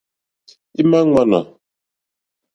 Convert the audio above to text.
Ímá ŋmánà.